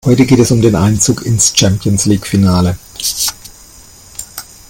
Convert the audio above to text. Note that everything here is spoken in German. Heute geht es um den Einzug ins Champions-League-Finale.